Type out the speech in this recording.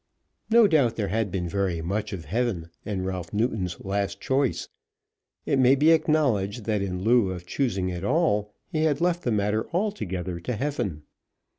No doubt there had been very much of heaven in Ralph Newton's last choice. It may be acknowledged that in lieu of choosing at all, he had left the matter altogether to heaven.